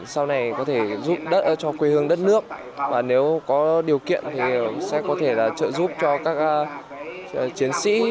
sau này có thể giúp đỡ cho quê hương đất nước và nếu có điều kiện thì sẽ có thể trợ giúp cho các chiến sĩ